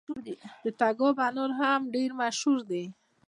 د تګاب انار هم ډیر مشهور دي.